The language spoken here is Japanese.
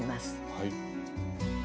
はい。